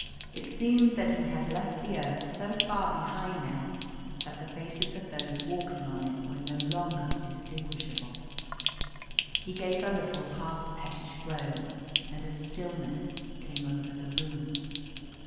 It seemed that he had left the earth so far behind now that the faces of those walking on it were no longer distinguishable. He gave a little half pettish groan, and a stillness came over the room.